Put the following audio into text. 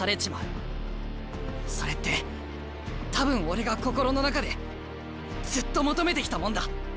それって多分俺が心の中でずっと求めてきたもんだ。